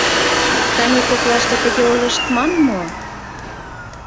Кане коклаште тыге ойлыштман мо?